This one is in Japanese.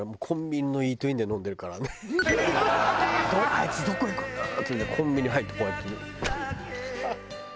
あいつどこ行くんだって見たらコンビニ入ってこうやって。